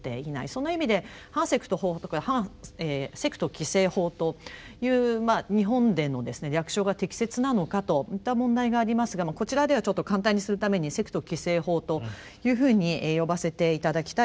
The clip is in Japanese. その意味で「反セクト法」とか「セクト規制法」というまあ日本でのですね略称が適切なのかといった問題がありますがこちらではちょっと簡単にするために「セクト規制法」というふうに呼ばせて頂きたいと思います。